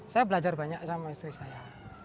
saya belajar banyak sama istri saya